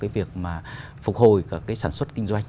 việc phục hồi sản xuất kinh doanh